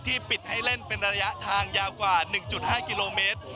ปิดให้เล่นเป็นระยะทางยาวกว่า๑๕กิโลเมตร